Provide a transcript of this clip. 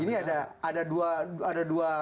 ini ada dua